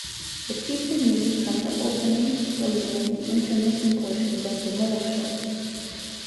It featured music from the opening, closing and intermission portions of the "Mole Show".